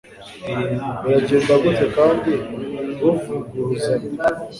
biragenda gute kandi buvuguruzanya